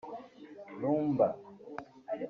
Rumba